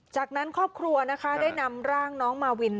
จากนั้นครอบครัวนะคะได้นำร่างน้องมาวิน